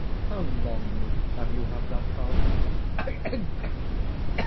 "How long have you had that cough?" "Ugh!